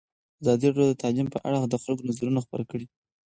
ازادي راډیو د تعلیم په اړه د خلکو نظرونه خپاره کړي.